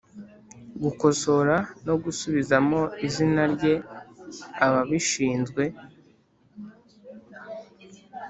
gukosora no gusubizamo izina rye Ababishinzwe